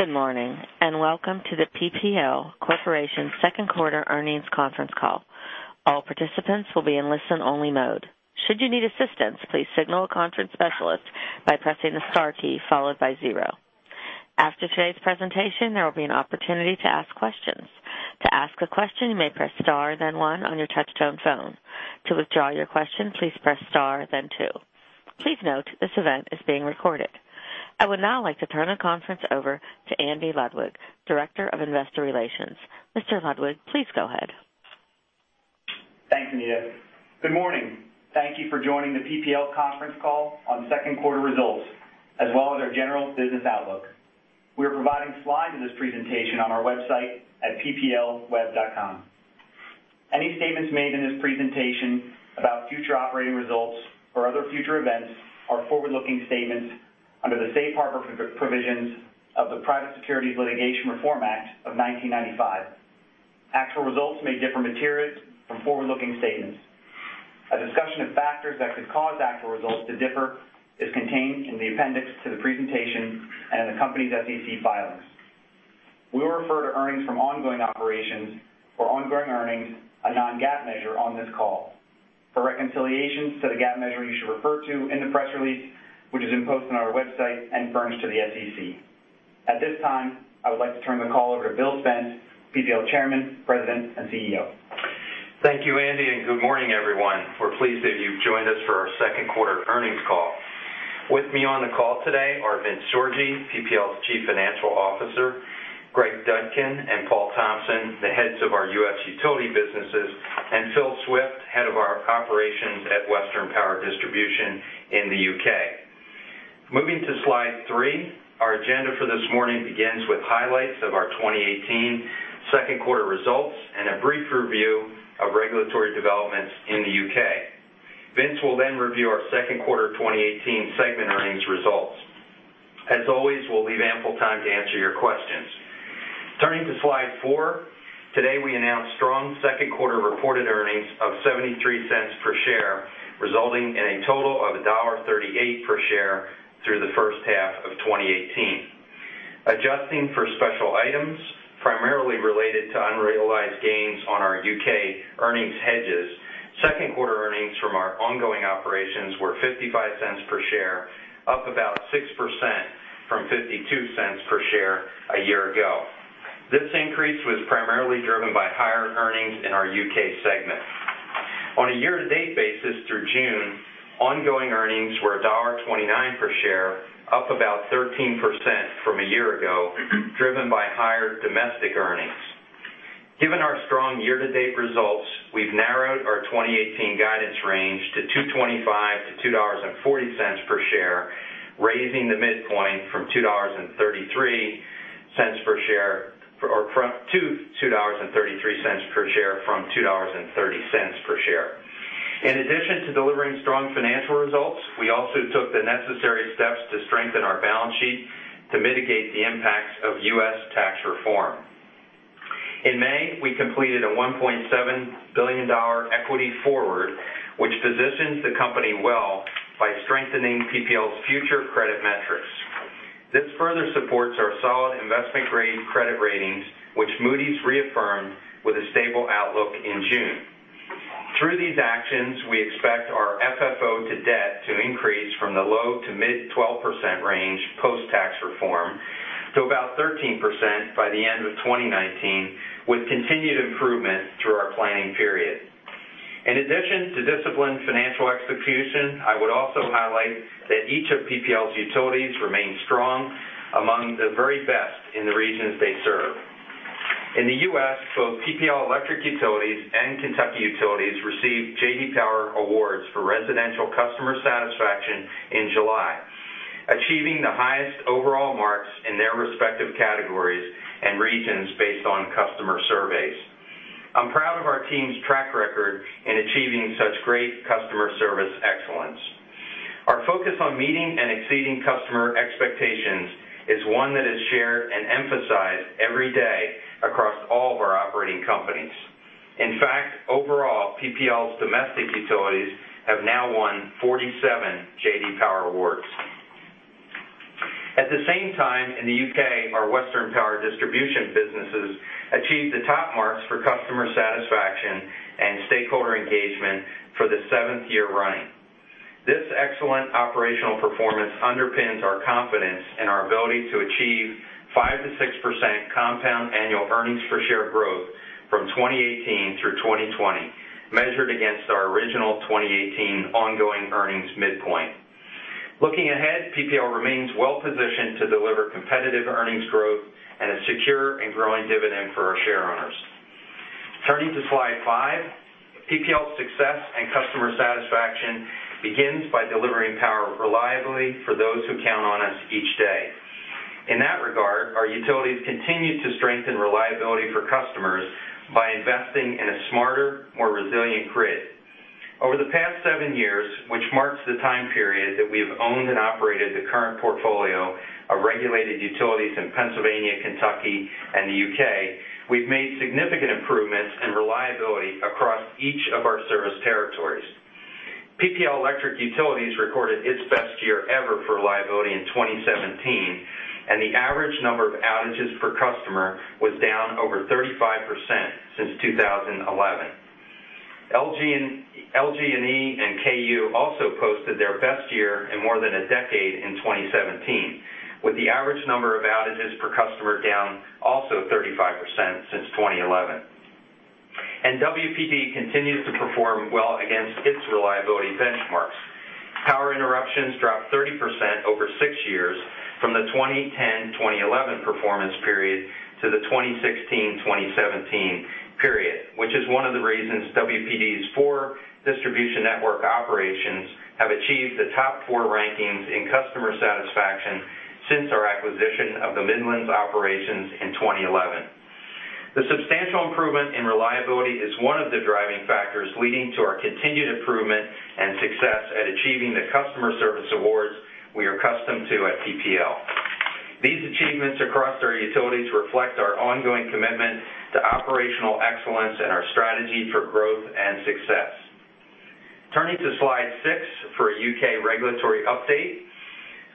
Good morning, welcome to the PPL Corporation second quarter earnings conference call. All participants will be in listen-only mode. Should you need assistance, please signal a conference specialist by pressing the star key followed by zero. After today's presentation, there will be an opportunity to ask questions. To ask a question, you may press star then one on your touch-tone phone. To withdraw your question, please press star then two. Please note this event is being recorded. I would now like to turn the conference over to Andrew Ludwig, Director of Investor Relations. Mr. Ludwig, please go ahead. Thanks, Anita. Good morning. Thank you for joining the PPL conference call on second quarter results, as well as our general business outlook. We are providing slides of this presentation on our website at pplweb.com. Any statements made in this presentation about future operating results or other future events are forward-looking statements under the safe harbor provisions of the Private Securities Litigation Reform Act of 1995. Actual results may differ materially from forward-looking statements. A discussion of factors that could cause actual results to differ is contained in the appendix to the presentation and in the company's SEC filings. We will refer to earnings from ongoing operations or ongoing earnings, a non-GAAP measure on this call. For reconciliations to the GAAP measure you should refer to in the press release, which has been posted on our website and furnished to the SEC. At this time, I would like to turn the call over to Bill Spence, PPL Chairman, President, and CEO. Thank you, Andy, good morning, everyone. We're pleased that you've joined us for our second quarter earnings call. With me on the call today are Vince Sorgi, PPL's Chief Financial Officer, Greg Dudkin and Paul Thompson, the heads of our U.S. utility businesses, and Phil Swift, head of our operations at Western Power Distribution in the U.K. Moving to slide three, our agenda for this morning begins with highlights of our 2018 second quarter results and a brief review of regulatory developments in the U.K. Vince will review our second quarter 2018 segment earnings results. As always, we'll leave ample time to answer your questions. Turning to slide four, today we announce strong second quarter reported earnings of $0.73 per share, resulting in a total of $1.38 per share through the first half of 2018. Adjusting for special items, primarily related to unrealized gains on our U.K. earnings hedges, second quarter earnings from our ongoing operations were $0.55 per share, up about 6% from $0.52 per share a year ago. This increase was primarily driven by higher earnings in our U.K. segment. On a year-to-date basis through June, ongoing earnings were $1.29 per share, up about 13% from a year ago, driven by higher domestic earnings. Given our strong year-to-date results, we've narrowed our 2018 guidance range to $2.25 to $2.40 per share, raising the midpoint to $2.33 per share from $2.30 per share. In addition to delivering strong financial results, we also took the necessary steps to strengthen our balance sheet to mitigate the impacts of U.S. tax reform. In May, we completed a $1.7 billion equity forward, which positions the company well by strengthening PPL's future credit metrics. This further supports our solid investment-grade credit ratings, which Moody's reaffirmed with a stable outlook in June. Through these actions, we expect our FFO to debt to increase from the low to mid 12% range post-tax reform to about 13% by the end of 2019, with continued improvement through our planning period. In addition to disciplined financial execution, I would also highlight that each of PPL's utilities remains strong among the very best in the regions they serve. In the U.S., both PPL Electric Utilities and Kentucky Utilities received J.D. Power Awards for residential customer satisfaction in July, achieving the highest overall marks in their respective categories and regions based on customer surveys. I'm proud of our team's track record in achieving such great customer service excellence. Our focus on meeting and exceeding customer expectations is one that is shared and emphasized every day across all of our operating companies. In fact, overall, PPL's domestic utilities have now won 47 J.D. Power Awards. At the same time, in the U.K., our Western Power Distribution businesses achieved the top marks for customer satisfaction and stakeholder engagement for the seventh year running. This excellent operational performance underpins our confidence in our ability to achieve 5% to 6% compound annual earnings per share growth from 2018 through 2020, measured against our original 2018 ongoing earnings midpoint. Looking ahead, PPL remains well-positioned to deliver competitive earnings growth and a secure and growing dividend for our shareowners. Turning to slide five, PPL's success and customer satisfaction begins by delivering power reliably for those who count on us each day. In that regard, our utilities continue to strengthen reliability for customers by investing in a smarter, more resilient grid. Over the past seven years, which marks the time period that we have owned and operated the current portfolio of regulated utilities in Pennsylvania, Kentucky, and the U.K., we've made significant improvements in reliability across each of our service territories. PPL Electric Utilities recorded its best year ever for reliability in 2017, and the average number of outages per customer was down over 35% since 2011. LG&E and KU also posted their best year in more than a decade in 2017, with the average number of outages per customer down also 35% since 2011. WPD continues to perform well against its reliability benchmarks. Power interruptions dropped 30% over six years from the 2010-2011 performance period to the 2016-2017 period, which is one of the reasons WPD's four distribution network operations have achieved the top four rankings in customer satisfaction since our acquisition of the Midlands operations in 2011. The substantial improvement in reliability is one of the driving factors leading to our continued improvement and success at achieving the customer service awards we are accustomed to at PPL. These achievements across our utilities reflect our ongoing commitment to operational excellence and our strategy for growth and success. Turning to slide six for a U.K. regulatory update.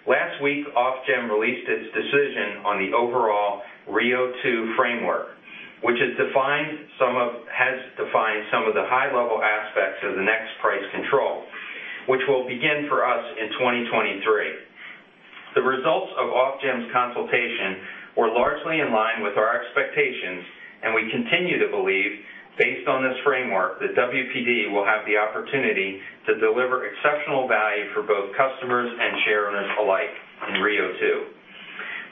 Last week, Ofgem released its decision on the overall RIIO 2 framework, which has defined some of the high-level aspects of the next price control, which will begin for us in 2023. The results of Ofgem's consultation were largely in line with our expectations. We continue to believe, based on this framework, that WPD will have the opportunity to deliver exceptional value for both customers and share owners alike in RIIO 2.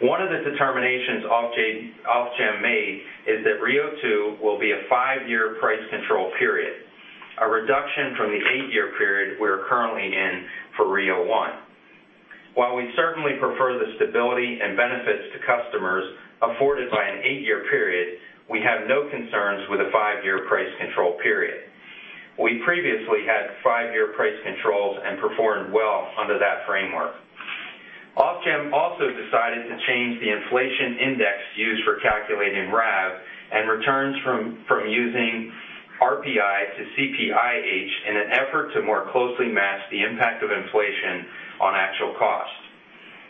One of the determinations Ofgem made is that RIIO 2 will be a five-year price control period, a reduction from the eight-year period we are currently in for RIIO 1. While we certainly prefer the stability and benefits to customers afforded by an eight-year period, we have no concerns with a five-year price control period. We previously had five-year price controls and performed well under that framework. Ofgem also decided to change the inflation index used for calculating RAV and returns from using RPI to CPIH in an effort to more closely match the impact of inflation on actual cost.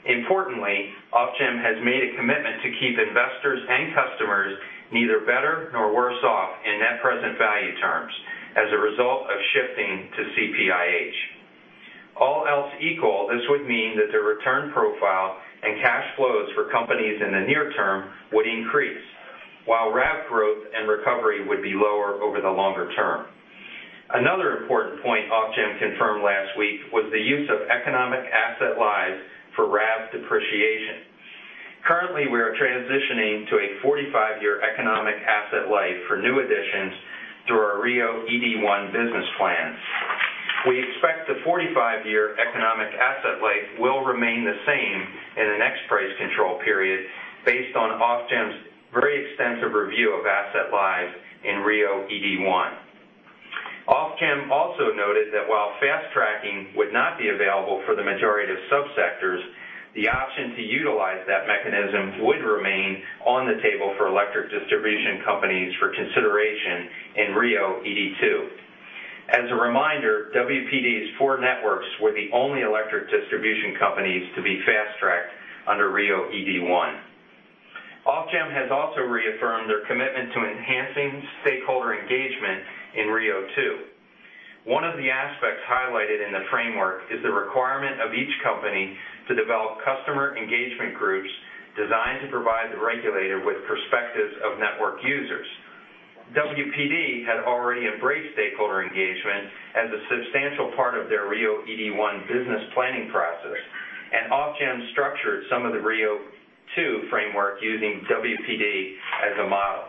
Importantly, Ofgem has made a commitment to keep investors and customers neither better nor worse off in net present value terms as a result of shifting to CPIH. All else equal, this would mean that the return profile and cash flows for companies in the near term would increase, while RAV growth and recovery would be lower over the longer term. Another important point Ofgem confirmed last week was the use of economic asset lives for RAV depreciation. Currently, we are transitioning to a 45-year economic asset life for new additions through our RIIO-ED1 business plans. We expect the 45-year economic asset life will remain the same in the next price control period based on Ofgem's very extensive review of asset lives in RIIO-ED1. Ofgem also noted that while fast tracking would not be available for the majority of sub-sectors, the option to utilize that mechanism would remain on the table for electric distribution companies for consideration in RIIO-ED2. As a reminder, WPD's four networks were the only electric distribution companies to be fast-tracked under RIIO-ED1. Ofgem has also reaffirmed their commitment to enhancing stakeholder engagement in RIIO 2. One of the aspects highlighted in the framework is the requirement of each company to develop customer engagement groups designed to provide the regulator with perspectives of network users. WPD had already embraced stakeholder engagement as a substantial part of their RIIO-ED1 business planning process. Ofgem structured some of the RIIO 2 framework using WPD as a model.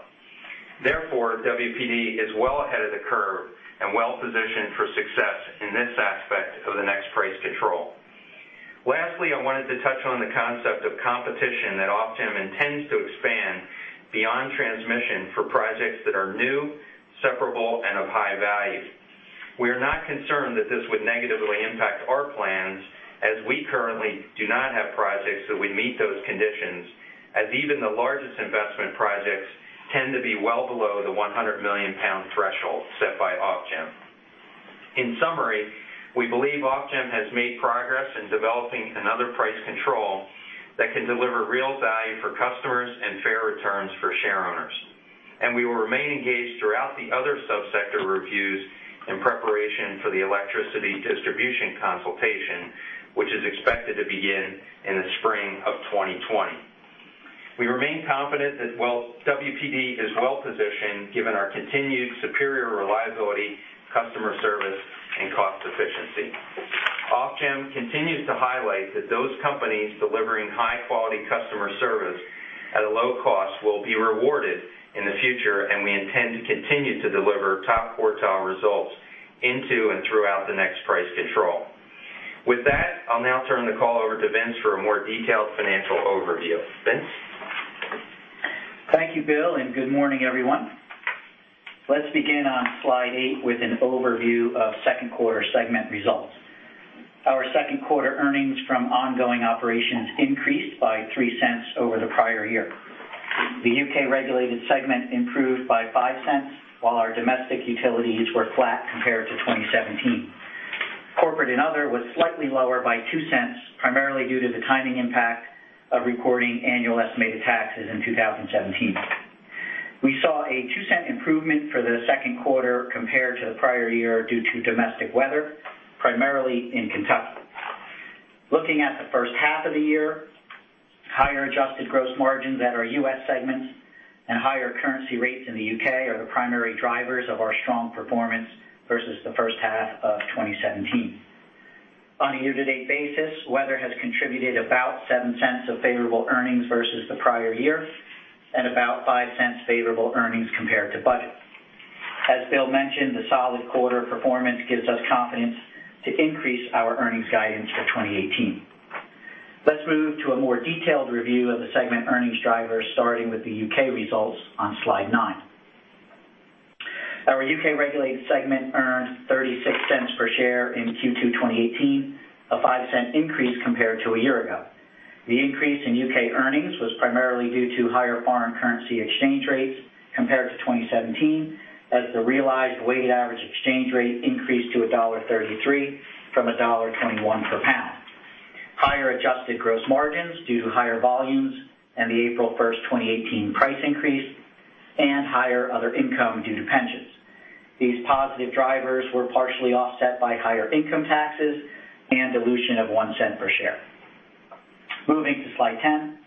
Therefore, WPD is well ahead of the curve and well-positioned for success in this aspect of the next price control. Lastly, I wanted to touch on the concept of competition that Ofgem intends to expand beyond transmission for projects that are new, separable, and of high value. We are not concerned that this would negatively impact our plans as we currently do not have projects that would meet those conditions, as even the largest investment projects tend to be well below the 100 million pound threshold set by Ofgem. In summary, we believe Ofgem has made progress in developing another price control that can deliver real value for customers and fair returns for share owners. We will remain engaged throughout the other sub-sector reviews in preparation for the electricity distribution consultation, which is expected to begin in the spring of 2020. We remain confident that WPD is well-positioned given our continued superior reliability, customer service, and cost efficiency. Ofgem continues to highlight that those companies delivering high-quality customer service at a low cost will be rewarded in the future, we intend to continue to deliver top quartile results into and throughout the next price control. With that, I will now turn the call over to Vince for a more detailed financial overview. Vince? Thank you, Bill, and good morning, everyone. Let's begin on slide eight with an overview of second quarter segment results. Our second quarter earnings from ongoing operations increased by $0.03 over the prior year. The U.K. regulated segment improved by $0.05, while our domestic utilities were flat compared to 2017. Corporate and other was slightly lower by $0.02, primarily due to the timing impact of recording annual estimated taxes in 2017. We saw a $0.02 improvement for the second quarter compared to the prior year due to domestic weather, primarily in Kentucky. Looking at the first half of the year, higher adjusted gross margins at our U.S. segments and higher currency rates in the U.K. are the primary drivers of our strong performance versus the first half of 2017. On a year-to-date basis, weather has contributed about $0.07 of favorable earnings versus the prior year, and about $0.05 favorable earnings compared to budget. As Bill mentioned, the solid quarter performance gives us confidence to increase our earnings guidance for 2018. Let's move to a more detailed review of the segment earnings drivers, starting with the U.K. results on slide nine. Our U.K. regulated segment earned $0.36 per share in Q2 2018, a $0.05 increase compared to a year ago. The increase in U.K. earnings was primarily due to higher foreign currency exchange rates compared to 2017, as the realized weighted average exchange rate increased to $1.33 from $1.21 per pound. Higher adjusted gross margins due to higher volumes and the April 1st, 2018, price increase and higher other income due to pensions. These positive drivers were partially offset by higher income taxes and dilution of $0.01 per share. Moving to slide 10.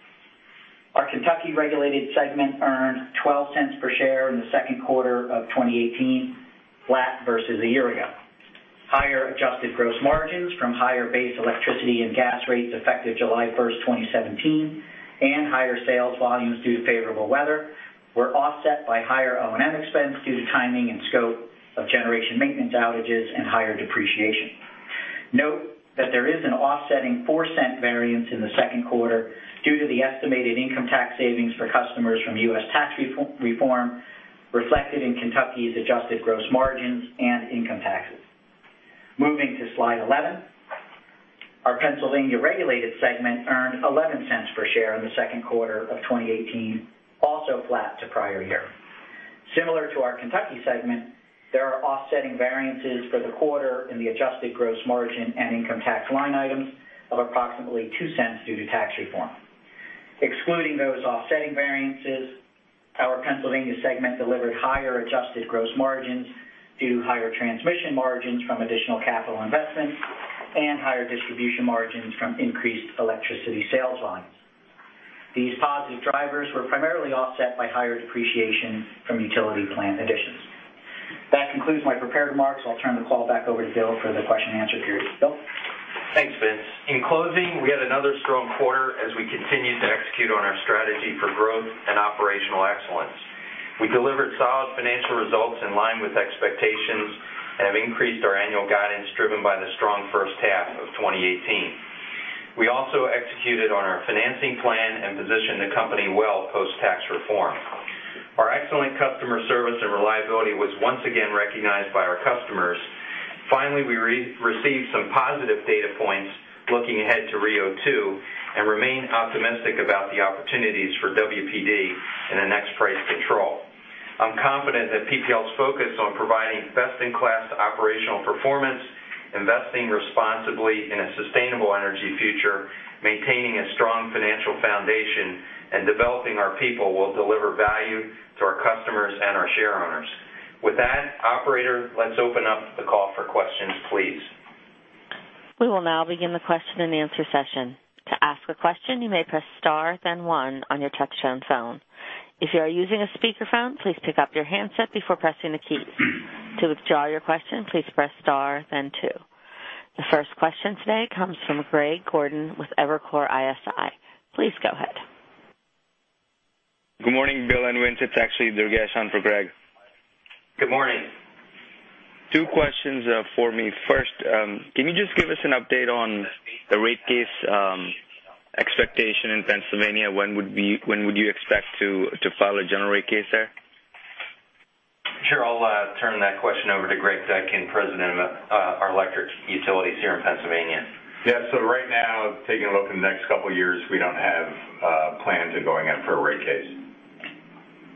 Our Kentucky regulated segment earned $0.12 per share in the second quarter of 2018, flat versus a year ago. Higher adjusted gross margins from higher base electricity and gas rates effective July 1, 2017, and higher sales volumes due to favorable weather were offset by higher O&M expense due to timing and scope of generation maintenance outages and higher depreciation. Note that there is an offsetting $0.04 variance in the second quarter due to the estimated income tax savings for customers from U.S. tax reform reflected in Kentucky's adjusted gross margins and income taxes. Moving to slide 11. Our Pennsylvania regulated segment earned $0.11 per share in the second quarter of 2018, also flat to prior year. Similar to our Kentucky segment, there are offsetting variances for the quarter in the adjusted gross margin and income tax line items of approximately $0.02 due to tax reform. Excluding those offsetting variances, our Pennsylvania segment delivered higher adjusted gross margins due to higher transmission margins from additional capital investments and higher distribution margins from increased electricity sales volumes. These positive drivers were primarily offset by higher depreciation from utility plant additions. That concludes my prepared remarks. I'll turn the call back over to Bill for the question and answer period. Bill? Thanks, Vince. In closing, we had another strong quarter as we continued to execute on our strategy for growth and operational excellence. We delivered solid financial results in line with expectations and have increased our annual guidance driven by the strong first half of 2018. We also executed on our financing plan and positioned the company well post-tax reform. Our excellent customer service and reliability was once again recognized by our customers. Finally, we received some positive data points looking ahead to RIIO 2 and remain optimistic about the opportunities for WPD in the next price control. I'm confident that PPL's focus on providing best-in-class operational performance, investing responsibly in a sustainable energy future, maintaining a strong financial foundation, and developing our people will deliver value to our customers and our shareowners. With that, operator, let's open up the call for questions, please. We will now begin the question-and-answer session. To ask a question, you may press star then one on your touch-tone phone. If you are using a speakerphone, please pick up your handset before pressing the key. To withdraw your question, please press star then two. The first question today comes from Greg Gordon with Evercore ISI. Please go ahead. Good morning, Bill and Vince. It's actually Durgesh on for Greg. Good morning. Two questions for me. First, can you just give us an update on the rate case expectation in Pennsylvania? When would you expect to file a general rate case there? Sure. I'll turn that question over to Greg Dudkin, President of our Electric Utilities here in Pennsylvania. Yeah. Right now, taking a look in the next couple of years, we don't have plans of going after a rate case.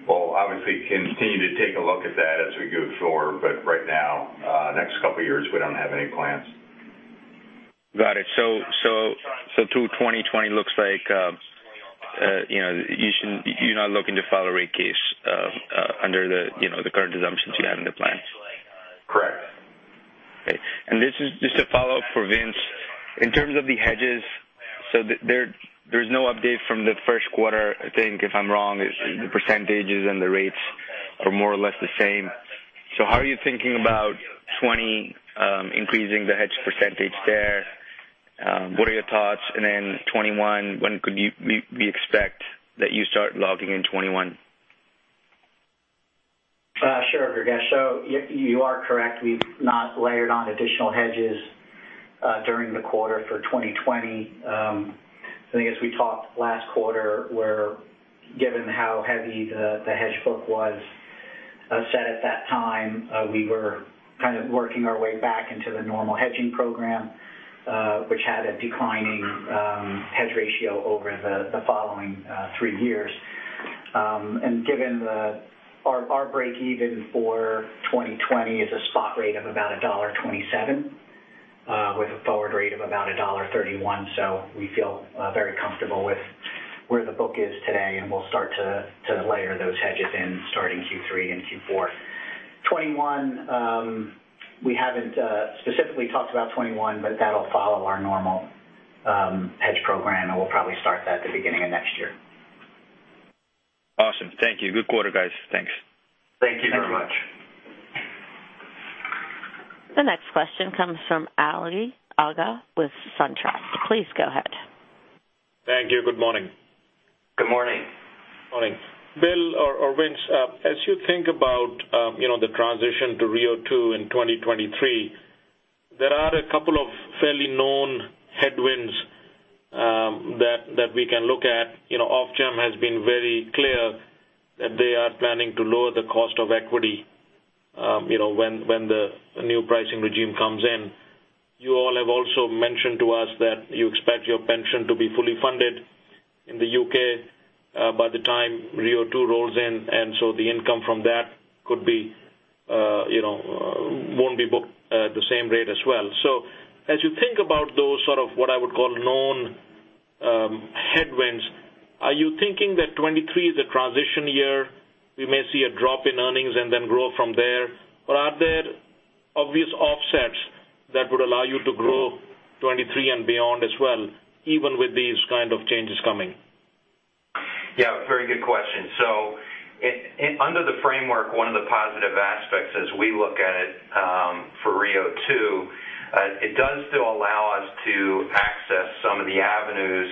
We'll obviously continue to take a look at that as we go forward, right now, next couple of years, we don't have any plans. Got it. Through 2020 looks like you're not looking to file a rate case under the current assumptions you have in the plan. Correct. Okay. This is just a follow-up for Vince. In terms of the hedges, so there's no update from the first quarter. Correct me if I'm wrong, the percentages and the rates are more or less the same. How are you thinking about 2020 increasing the hedge percentage there? What are your thoughts? Then 2021, when could we expect that you start logging in 2021? Sure, Durges. You are correct. We've not layered on additional hedges during the quarter for 2020. I think as we talked last quarter, given how heavy the hedge book was As said at that time, we were kind of working our way back into the normal hedging program, which had a declining hedge ratio over the following three years. Given our breakeven for 2020 is a spot rate of about $1.27 with a forward rate of about $1.31, so we feel very comfortable with where the book is today, and we'll start to layer those hedges in starting Q3 and Q4. 2021, we haven't specifically talked about 2021, but that'll follow our normal hedge program, and we'll probably start that at the beginning of next year. Awesome. Thank you. Good quarter, guys. Thanks. Thank you very much. Thank you. The next question comes from Ali Agha with SunTrust. Please go ahead. Thank you. Good morning. Good morning. Morning. Bill or Vince, as you think about the transition to RIIO 2 in 2023, there are a couple of fairly known headwinds that we can look at. Ofgem has been very clear that they are planning to lower the cost of equity when the new pricing regime comes in. You all have also mentioned to us that you expect your pension to be fully funded in the U.K. by the time RIIO 2 rolls in, and so the income from that won't be booked at the same rate as well. As you think about those sort of what I would call known headwinds, are you thinking that 2023 is a transition year, we may see a drop in earnings and then grow from there? Or are there obvious offsets that would allow you to grow 2023 and beyond as well, even with these kind of changes coming? Very good question. Under the framework, one of the positive aspects as we look at it for RIIO 2, it does still allow us to access some of the avenues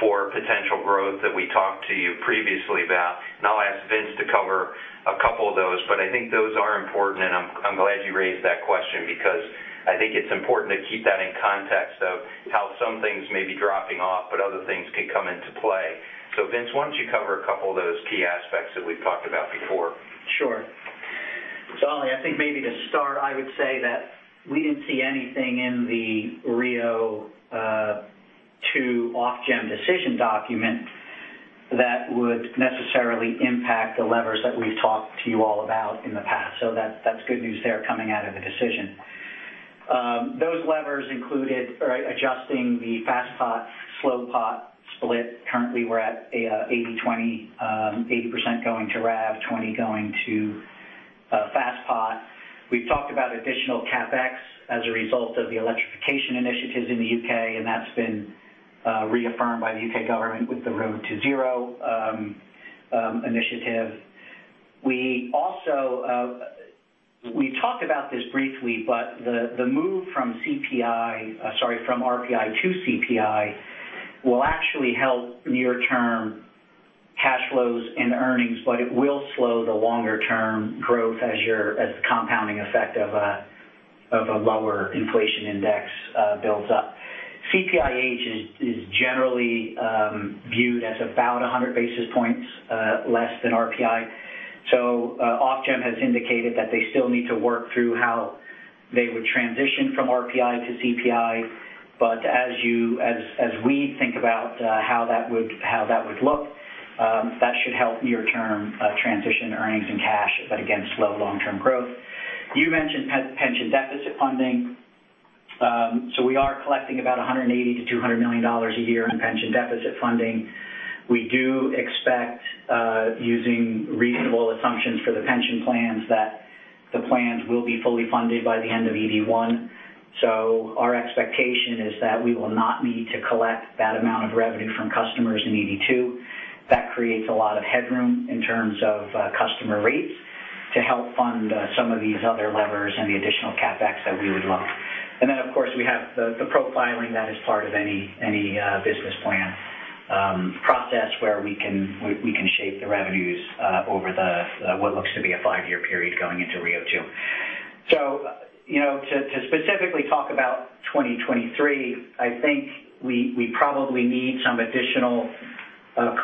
for potential growth that we talked to you previously about. I'll ask Vince to cover a couple of those, but I think those are important, and I'm glad you raised that question because I think it's important to keep that in context of how some things may be dropping off, but other things could come into play. Vince, why don't you cover a couple of those key aspects that we've talked about before? Sure. Ali, I think maybe to start, I would say that we didn't see anything in the RIIO 2 Ofgem decision document that would necessarily impact the levers that we've talked to you all about in the past. That's good news there coming out of the decision. Those levers included adjusting the fast pot/slow pot split. Currently, we're at 80% going to RAV, 20 going to fast pot. We've talked about additional CapEx as a result of the electrification initiatives in the U.K., and that's been reaffirmed by the U.K. government with the Road to Zero initiative. We talked about this briefly, but the move from RPI to CPI will actually help near-term cash flows and earnings, but it will slow the longer-term growth as the compounding effect of a lower inflation index builds up. CPIH is generally viewed as about 100 basis points less than RPI. Ofgem has indicated that they still need to work through how they would transition from RPI to CPI. As we think about how that would look, that should help near-term transition earnings and cash, but again, slow long-term growth. You mentioned pension deficit funding. We are collecting about $180 million to $200 million a year in pension deficit funding. We do expect, using reasonable assumptions for the pension plans, that the plans will be fully funded by the end of ED1. Our expectation is that we will not need to collect that amount of revenue from customers in ED2. That creates a lot of headroom in terms of customer rates to help fund some of these other levers and the additional CapEx that we would love. Then, of course, we have the profiling that is part of any business plan process where we can shape the revenues over what looks to be a five-year period going into RIIO 2. To specifically talk about 2023, I think we probably need some additional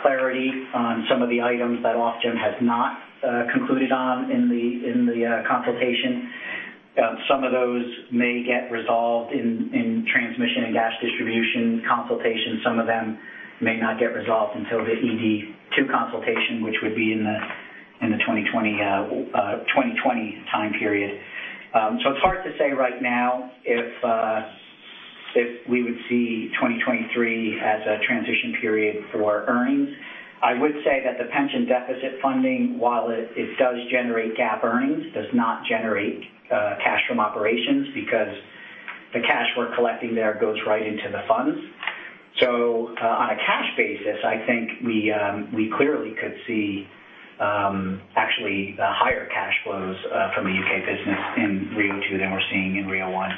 clarity on some of the items that Ofgem has not concluded on in the consultation. Some of those may get resolved in transmission and gas distribution consultation. Some of them may not get resolved until the ED2 consultation, which would be in the 2020 time period. It's hard to say right now if we would see 2023 as a transition period for earnings. I would say that the pension deficit funding, while it does generate GAAP earnings, does not generate cash from operations because the cash we're collecting there goes right into the funds. On a cash basis, I think we clearly could see actually higher cash flows from the U.K. business in RIIO 2 than we're seeing in RIIO 1.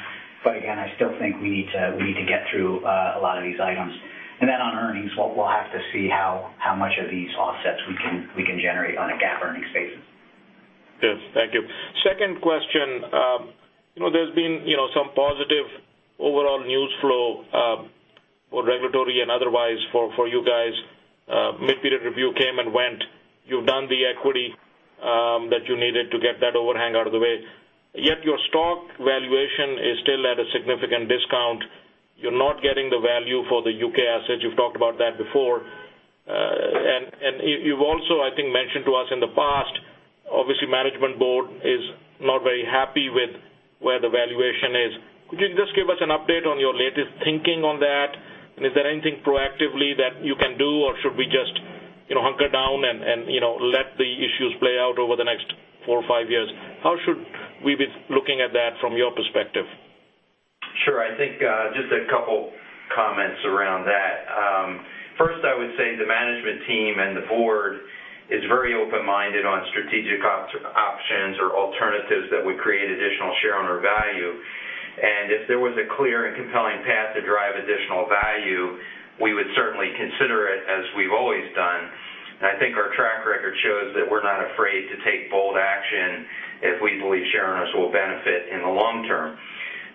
Again, I still think we need to get through a lot of these items. Then on earnings, we'll have to see how much of these offsets we can generate on a GAAP earnings basis. Yes. Thank you. Second question. There's been some positive Mid-period review came and went. You've done the equity that you needed to get that overhang out of the way, yet your stock valuation is still at a significant discount. You're not getting the value for the U.K. assets. You've talked about that before. You've also, I think, mentioned to us in the past, obviously management board is not very happy with where the valuation is. Could you just give us an update on your latest thinking on that? Is there anything proactively that you can do, or should we just hunker down and let the issues play out over the next four or five years? How should we be looking at that from your perspective? Sure. I think just a couple comments around that. First, I would say the management team and the board is very open-minded on strategic options or alternatives that would create additional share owner value. If there was a clear and compelling path to drive additional value, we would certainly consider it as we've always done. I think our track record shows that we're not afraid to take bold action if we believe share owners will benefit in the long term.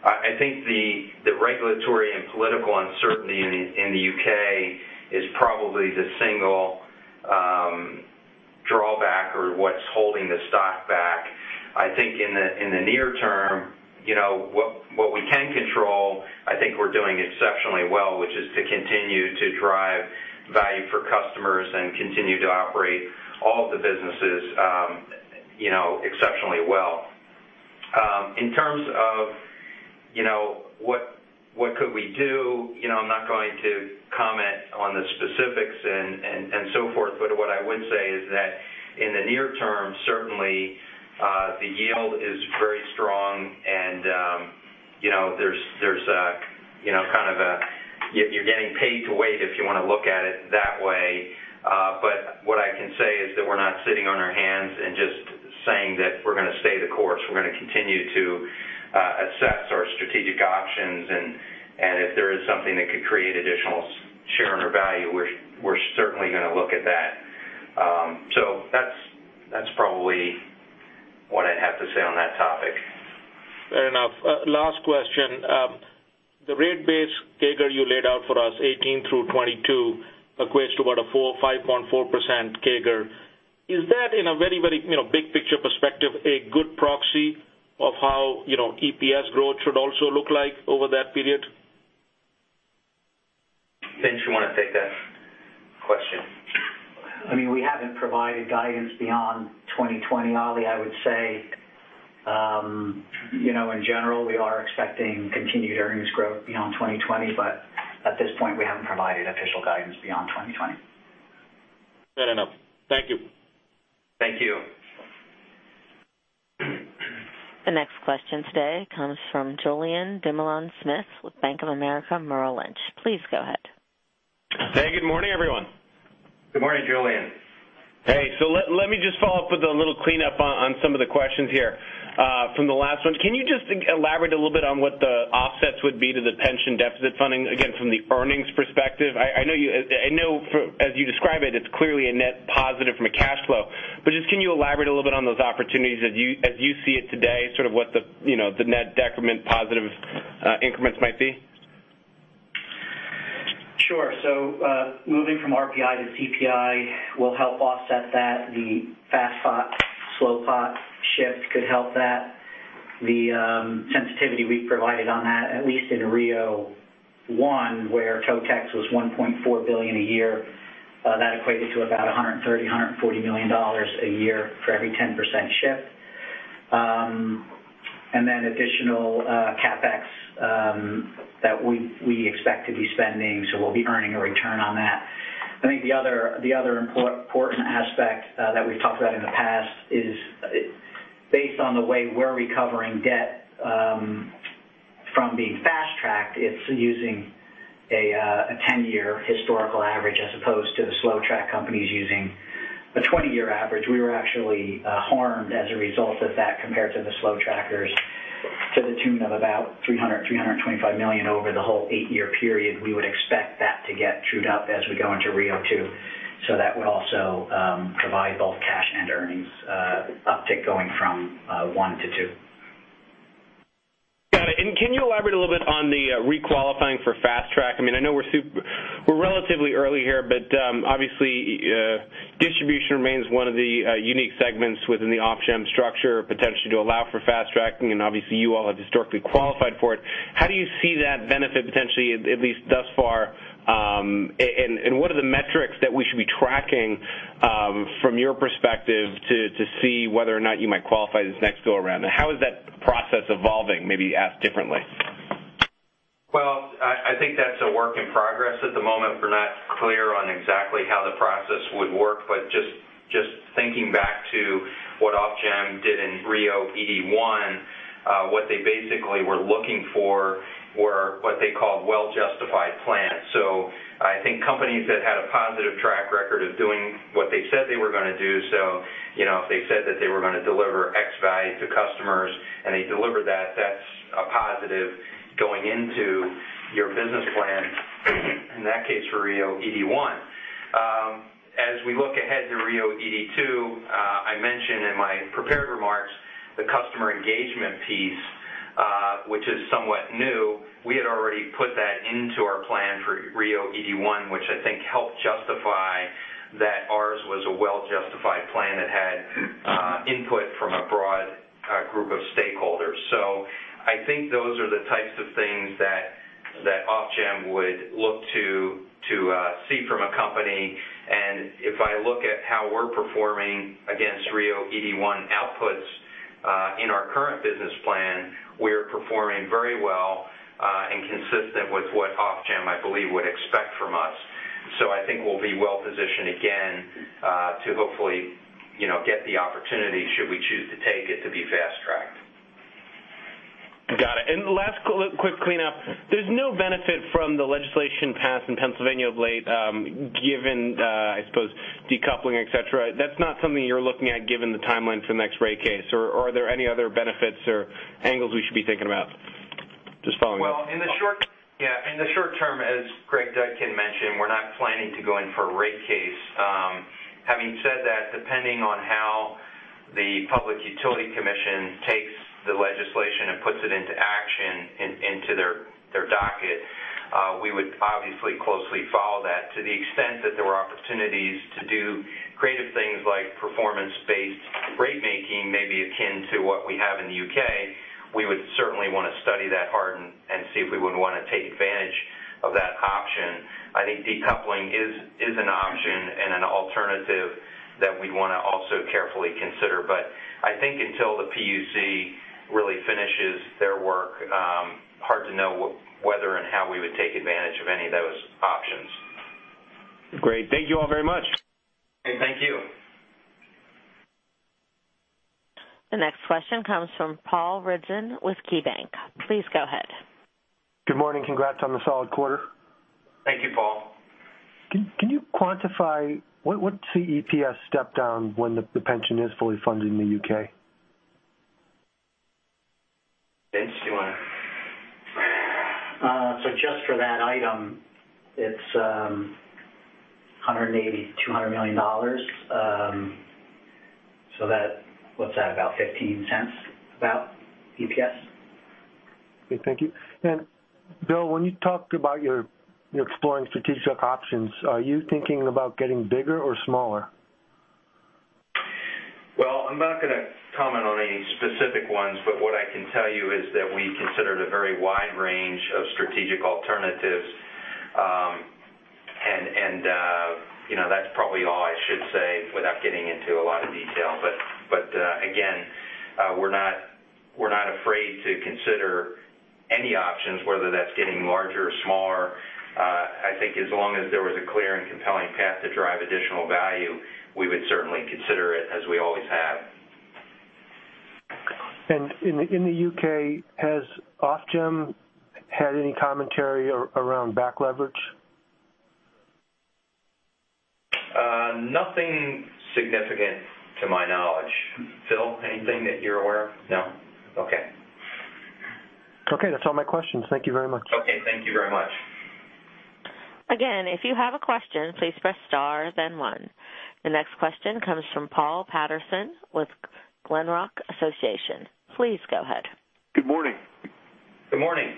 I think the regulatory and political uncertainty in the U.K. is probably the single drawback or what's holding the stock back. I think in the near term, what we can control, I think we're doing exceptionally well, which is to continue to drive value for customers and continue to operate all of the businesses exceptionally well. In terms of what could we do, I'm not going to comment on the specifics and so forth, what I would say is that in the near term, certainly, the yield is very strong and you're getting paid to wait, if you want to look at it that way. What I can say is that we're not sitting on our hands and just saying that we're going to stay the course. We're going to continue to assess our strategic options, if there is something that could create additional share owner value, we're certainly going to look at that. That's probably what I'd have to say on that topic. Fair enough. Last question. The rate base CAGR you laid out for us 2018 through 2022 equates to about a 5.4% CAGR. Is that in a very big picture perspective, a good proxy of how EPS growth should also look like over that period? Vince, you want to take that question? We haven't provided guidance beyond 2020, Ali. I would say, in general, we are expecting continued earnings growth beyond 2020, but at this point, we haven't provided official guidance beyond 2020. Fair enough. Thank you. Thank you. The next question today comes from Julien Dumoulin-Smith with Bank of America Merrill Lynch. Please go ahead. Hey, good morning, everyone. Good morning, Julien. Hey. Let me just follow up with a little cleanup on some of the questions here. From the last one, can you just elaborate a little bit on what the offsets would be to the pension deficit funding, again, from the earnings perspective? I know as you describe it's clearly a net positive from a cash flow, just can you elaborate a little bit on those opportunities as you see it today, sort of what the net decrement positive increments might be? Sure. Moving from RPI to CPI will help offset that. The fast pot, slow pot shift could help that. The sensitivity we provided on that, at least in RIIO-1, where totex was $1.4 billion a year, that equated to about $130 million-$140 million a year for every 10% shift. Additional CapEx that we expect to be spending, we'll be earning a return on that. I think the other important aspect that we've talked about in the past is based on the way we're recovering debt from being fast-tracked, it's using a 10-year historical average as opposed to the slow track companies using a 20-year average. We were actually harmed as a result of that compared to the slow trackers to the tune of about $300 million-$325 million over the whole eight-year period. We would expect that to get trued up as we go into RIIO 2. That would also provide both cash and earnings uptick going from One to Two. Got it. Can you elaborate a little bit on the re-qualifying for fast track? I know we're relatively early here, but obviously distribution remains one of the unique segments within the Ofgem structure, potentially to allow for fast tracking, obviously, you all have historically qualified for it. How do you see that benefit, potentially, at least thus far? What are the metrics that we should be tracking from your perspective to see whether or not you might qualify this next go around? How is that process evolving, maybe asked differently? Well, I think that's a work in progress at the moment. We're not clear on exactly how the process would work, but just thinking back to what Ofgem did in RIIO-ED1, what they basically were looking for were what they called well-justified plans. I think companies that had a positive track record of doing what they said they were going to do. If they said that they were going to deliver X value to customers, and they delivered that's a positive going into your business plan, in that case, for RIIO-ED1. As we look ahead to RIIO-ED2, I mentioned in my prepared remarks the customer engagement piece, which is somewhat new. We had already put that into our plan for RIIO-ED1, which I think helped justify that ours was a well-justified plan that had input from a broad group of stakeholders. I think those are the types of things that Ofgem would look to see from a company. If I look at how we're performing against RIIO-ED1 outputs in our current business plan, we're performing very well and consistent with what Ofgem, I believe, would expect from us. I think we'll be well-positioned again to hopefully get the opportunity should we choose to take it to be fast-tracked. Last quick cleanup. There's no benefit from the legislation passed in Pennsylvania of late, given, I suppose, decoupling, et cetera. That's not something you're looking at given the timeline for the next rate case, or are there any other benefits or angles we should be thinking about? Just following up. Well, in the short-term, as Greg Dudkin mentioned, we're not planning to go in for a rate case. Having said that, depending on how the Public Utility Commission takes the legislation and puts it into action into their docket, we would obviously closely follow that to the extent that there were opportunities to do creative things like performance-based rate making, maybe akin to what we have in the U.K., we would certainly want to study that hard and see if we would want to take advantage of that option. I think decoupling is an option and an alternative that we'd want to also carefully consider. I think until the PUC really finishes their work, hard to know whether and how we would take advantage of any of those options. Great. Thank you all very much. Okay. Thank you. The next question comes from Paul Ridzon with KeyBank. Please go ahead. Good morning. Congrats on the solid quarter. Thank you, Paul. Can you quantify what EPS step down when the pension is fully funded in the U.K.? Vince, do you want to? Just for that item, it's $180 million-$200 million. What's that? About $0.15, about, EPS. Okay. Thank you. Bill, when you talked about you're exploring strategic options, are you thinking about getting bigger or smaller? I'm not going to comment on any specific ones, but what I can tell you is that we considered a very wide range of strategic alternatives. That's probably all I should say without getting into a lot of detail. Again, we're not afraid to consider any options, whether that's getting larger or smaller. I think as long as there was a clear and compelling path to drive additional value, we would certainly consider it as we always have. In the U.K., has Ofgem had any commentary around back leverage? Nothing significant to my knowledge. Phil, anything that you're aware of? No? Okay. Okay. That's all my questions. Thank you very much. Okay. Thank you very much. Again, if you have a question, please press star then one. The next question comes from Paul Patterson with Glenrock Associates. Please go ahead. Good morning. Good morning.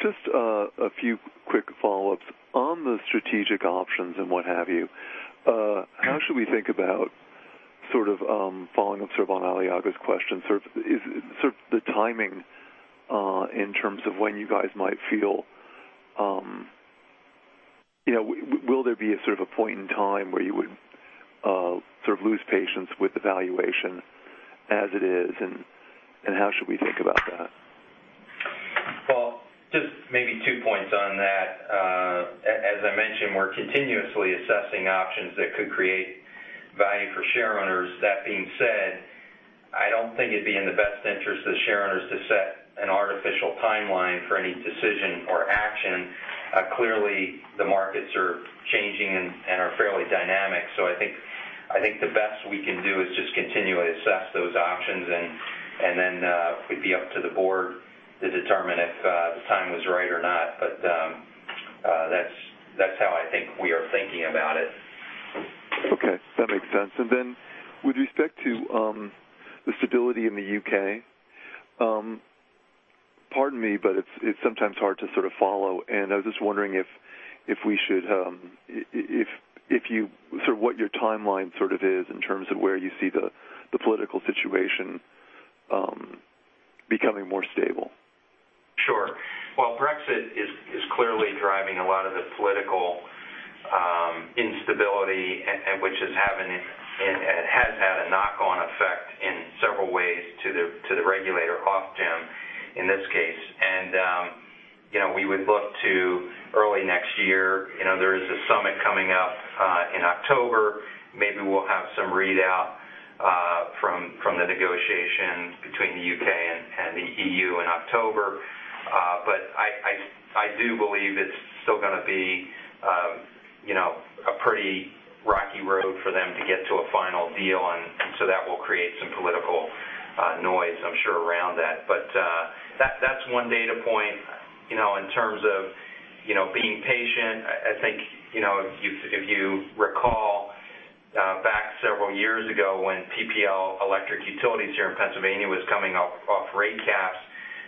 Just a few quick follow-ups. On the strategic options and what have you, how should we think about, sort of following up sort of on Ali Agha's question, sort of the timing, in terms of when you guys might feel, will there be a sort of a point in time where you would sort of lose patience with the valuation as it is, and how should we think about that? Paul, just maybe two points on that. As I mentioned, we're continuously assessing options that could create value for shareowners. That being said, I don't think it'd be in the best interest of the shareowners to set an artificial timeline for any decision or action. Clearly, the markets are changing and are fairly dynamic. I think the best we can do is just continually assess those options and then it'd be up to the board to determine if the time was right or not. That's how I think we are thinking about it. Okay. That makes sense. Then with respect to the stability in the U.K., pardon me, but it's sometimes hard to sort of follow. I was just wondering if, sort of what your timeline sort of is in terms of where you see the political situation becoming more stable. Sure. Well, Brexit is clearly driving a lot of the political instability, and which is having, and it has had a knock-on effect in several ways to the regulator, Ofgem in this case. We would look to early next year. There is a summit coming up in October. Maybe we'll have some readout from the negotiation between the U.K. and the EU in October. I do believe it's still going to be a pretty rocky road for them to get to a final deal, that will create some political noise, I'm sure, around that. That's one data point. In terms of being patient, I think if you recall back several years ago when PPL Electric Utilities here in Pennsylvania was coming off rate caps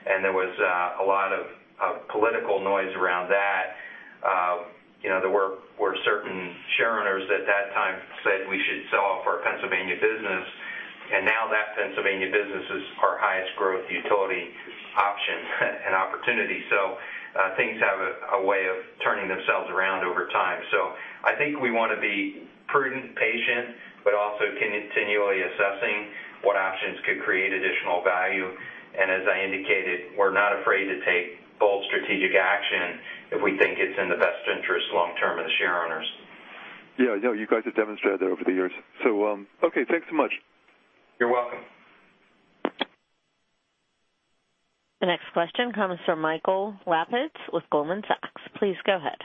and there was a lot of political noise around that. There were certain shareowners at that time said we should sell off our Pennsylvania business. Now that Pennsylvania business is our highest growth utility option and opportunity. Things have a way of turning themselves around over time. I think we want to be prudent, patient, but also continually assessing what options could create additional value. As I indicated, we're not afraid to take bold, strategic action if we think it's in the best interest long-term of the shareowners. Yeah. You guys have demonstrated that over the years. Okay, thanks so much. You're welcome. The next question comes from Michael Lapides with Goldman Sachs. Please go ahead.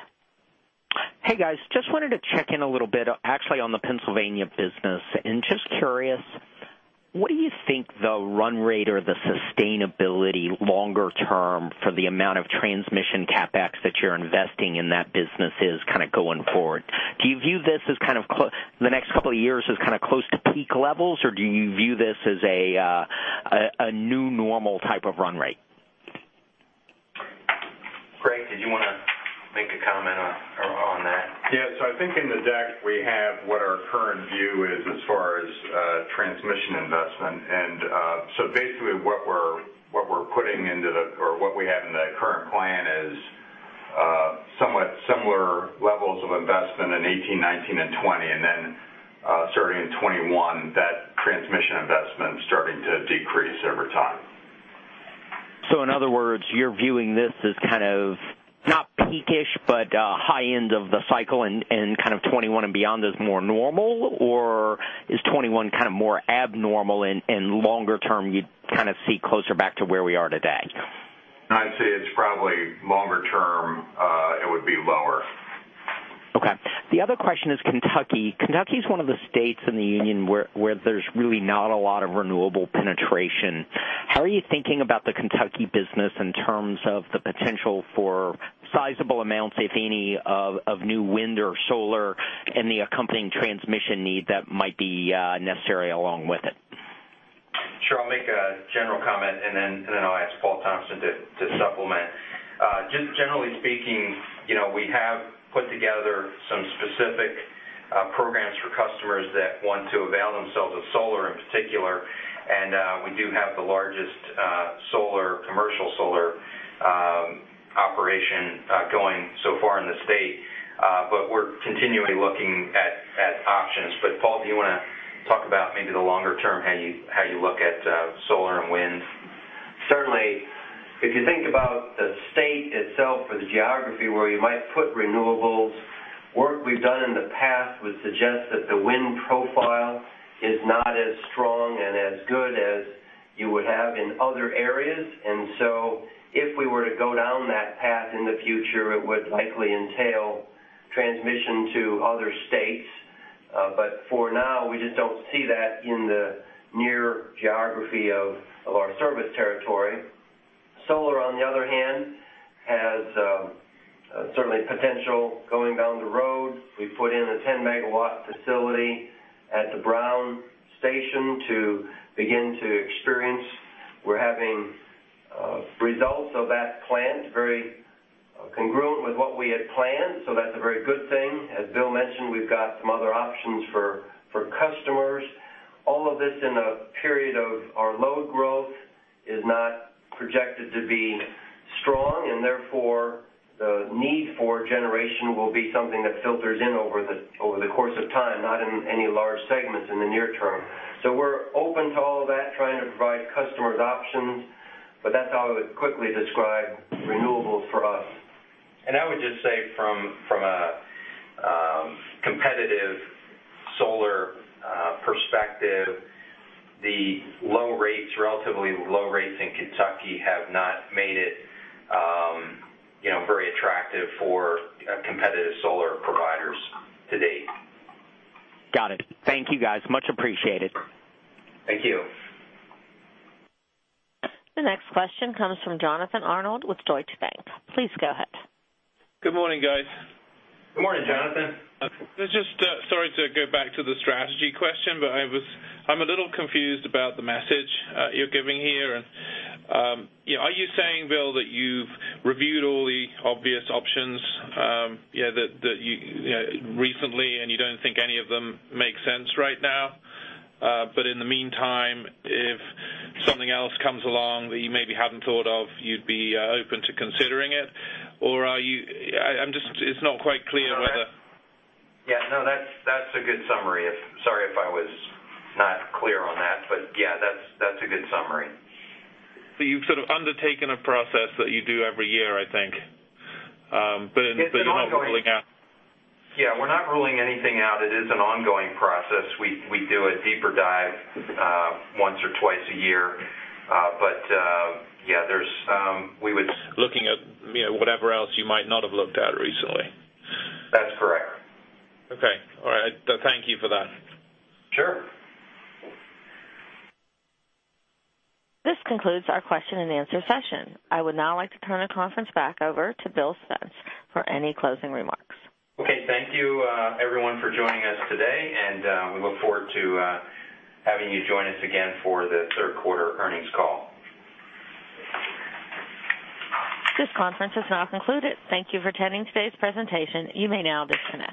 Hey, guys. Just wanted to check in a little bit actually on the Pennsylvania business, and just curious, what do you think the run rate or the sustainability longer term for the amount of transmission CapEx that you're investing in that business is kind of going forward? Do you view this in the next couple of years as kind of close to peak levels, or do you view this as a new normal type of run rate? Greg, did you want to make a comment on that? Yeah. I think in the deck we have what our current view is as far as transmission investment. Basically what we have in the current plan is somewhat similar levels of investment in 2018, 2019, and 2020, and then starting in 2021, that transmission investment starting to decrease over time. In other words, you're viewing this as kind of not peak-ish, but a high end of the cycle and kind of 2021 and beyond as more normal? Or is 2021 kind of more abnormal and longer term, you'd kind of see closer back to where we are today? I'd say it's probably longer term, it would be lower. Okay. The other question is Kentucky. Kentucky's one of the states in the union where there's really not a lot of renewable penetration. How are you thinking about the Kentucky business in terms of the potential for sizable amounts, if any, of new wind or solar and the accompanying transmission need that might be necessary along with it? Sure. I'll make a general comment and then I'll ask Paul Thompson to supplement. Just generally speaking, we have put together some specific programs for customers that want to avail themselves of solar in particular, and we do have the largest commercial solar operation going so far in the state. We're continually looking at options. Paul, do you want to talk about maybe the longer term, how you look at solar and wind? Certainly. If you think about the state itself or the geography where you might put renewables, work we've done in the past would suggest that the wind profile is not as strong and as good as you would have in other areas. If we were to go down that path in the future, it would likely entail transmission to other states. For now, we just don't see that in the near geography of our service territory. Solar, on the other hand, has certainly potential going down the road. We put in a 10-megawatt facility at the Brown station to begin to experience. We're having results of that plant, very congruent with what we had planned, so that's a very good thing. As Bill mentioned, we've got some other options for customers. All of this in a period of our load growth is not projected to be strong, and therefore, the need for generation will be something that filters in over the course of time, not in any large segments in the near term. We're open to all that, trying to provide customers options, but that's how I would quickly describe renewables for us. I would just say from a competitive solar perspective, the relatively low rates in Kentucky have not made it very attractive for competitive solar providers to date. Got it. Thank you, guys. Much appreciated. Thank you. The next question comes from Jonathan Arnold with Deutsche Bank. Please go ahead. Good morning, guys. Good morning, Jonathan. Sorry to go back to the strategy question, I'm a little confused about the message you're giving here. Are you saying, Bill, that you've reviewed all the obvious options recently, and you don't think any of them make sense right now? In the meantime, if something else comes along that you maybe haven't thought of, you'd be open to considering it? It's not quite clear whether. Yeah, no, that's a good summary. Sorry if I was not clear on that, but yeah, that's a good summary. You've sort of undertaken a process that you do every year, I think. You're not ruling out? Yeah, we're not ruling anything out. It is an ongoing process. We do a deeper dive once or twice a year. You're looking at whatever else you might not have looked at recently. That's correct. Okay. All right. Thank you for that. Sure. This concludes our question-and-answer session. I would now like to turn the conference back over to Bill Spence for any closing remarks. Okay. Thank you everyone for joining us today, and we look forward to having you join us again for the third quarter earnings call. This conference is now concluded. Thank you for attending today's presentation. You may now disconnect.